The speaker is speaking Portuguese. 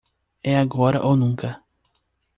É agora ou nunca!